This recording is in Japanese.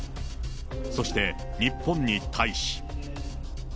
そして、日本に対し。